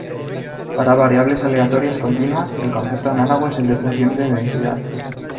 Para variables aleatorias continuas, el concepto análogo es el de función de densidad.